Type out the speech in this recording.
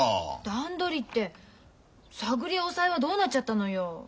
段取りってさぐりやおさえはどうなっちゃったのよ。